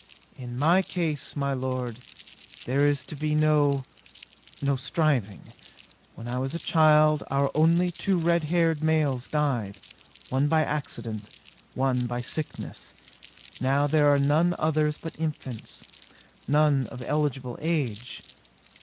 "In my case, my lord, there is to be no no striving. When I was a child our only two red haired males died, one by accident, one by sickness. Now there are none others but infants, none of eligible age.